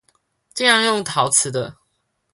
盡量用陶瓷的